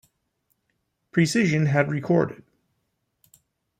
Precision had recorded.